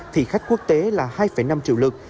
thì khách quốc tế là hai năm triệu lượt